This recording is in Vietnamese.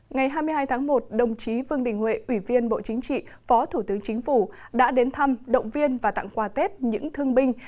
ngày hai mươi hai tháng một đồng chí vương đình huệ ủy viên bộ chính trị phó thủ tướng chính phủ đã đến thăm động viên và tặng quà tết những thương binh